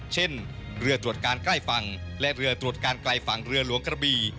เช่นเรือตรวจการใกล้ฝั่งและเรือตรวจการไกลฝั่งเรือหลวงกระบี